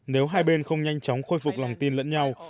nếu hai bên không nhanh chóng khôi phục lòng tin lẫn nhau